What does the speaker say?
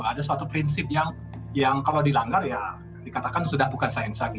ada suatu prinsip yang kalau dilanggar ya dikatakan sudah bukan sains lagi